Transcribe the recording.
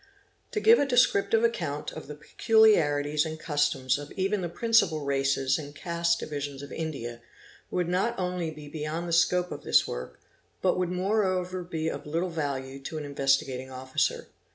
To give a descriptive account of the peculiarities and customs of even the principal races and caste divisions of India, would not only be beyond the scope of this work but would moreover be of little value to an Investi gating Officer.